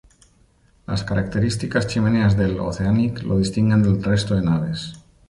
Las características chimeneas del "Oceanic" lo distinguen del resto de naves.